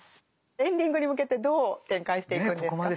エンディングに向けてどう展開していくんですか？